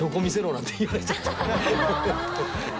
なんて言われちゃってハハハ。